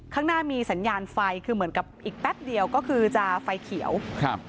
ข้างหน้ามีสัญญาณไฟคือเหมือนกับอีกแป๊บเดียวก็คือจะไฟเขียวครับ